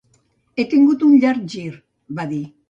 "He tingut un llarg gir", va dir.